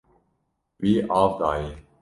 Wî av daye.